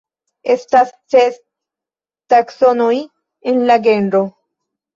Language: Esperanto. Estas ses taksonoj en la genro.